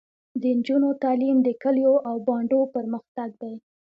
د نجونو تعلیم د کلیو او بانډو پرمختګ دی.